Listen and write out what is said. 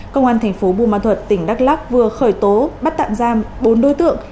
công an thành phố buôn ma thuật tỉnh đắk lắc vừa khởi tố bắt tạm giam bốn đối tượng